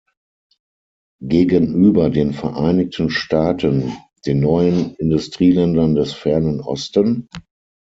Gegenüber den Vereinigten Staaten, den neuen Industrieländern des Fernen Osten?